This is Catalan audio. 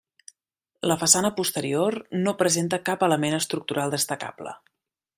La façana posterior no presenta cap element estructural destacable.